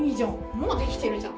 もうできてるじゃん。